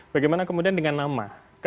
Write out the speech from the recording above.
bagaimana kemudian dengan nama